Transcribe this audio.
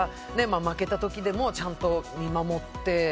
負けた時でもちゃんと見守って。